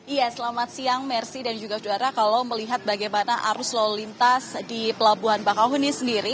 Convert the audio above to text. iya selamat siang mercy dan juga saudara kalau melihat bagaimana arus lalu lintas di pelabuhan bakahuni sendiri